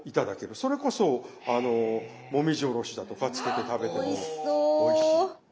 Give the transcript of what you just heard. それこそあのもみじおろしだとかつけて食べてもおいしい。